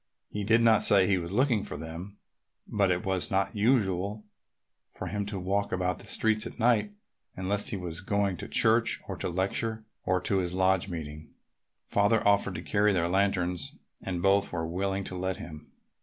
He did not say he was looking for them, but it was not usual for him to walk about the streets at night unless he were going to church or to a lecture or to his lodge meeting. Father offered to carry their lanterns and both were willing to let him.